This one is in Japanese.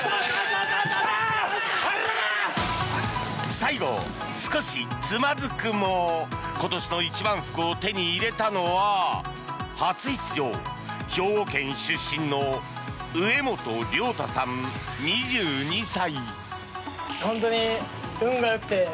最後、少しつまづくも今年の一番福を手に入れたのは初出場、兵庫県出身の植本亮太さん、２２歳。